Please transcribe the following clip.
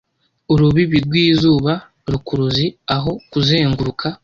urubibi rwizuba rukuruzi aho kuzenguruka